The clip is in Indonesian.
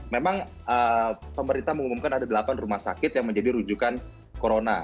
memang pemerintah mengumumkan ada delapan rumah sakit yang menjadi rujukan corona